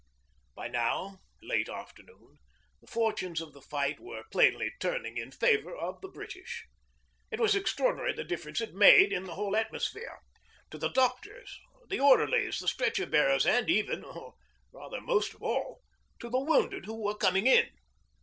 By now, late afternoon, the fortunes of the fight were plainly turning in favour of the British. It was extraordinary the difference it made in the whole atmosphere to the doctors, the orderlies, the stretcher bearers, and even or, rather, most of all to the wounded who were coming in.